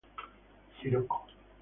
Sirocco.